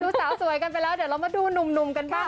ดูสาวสวยกันไปแล้วเดี๋ยวเรามาดูหนุ่มกันบ้าง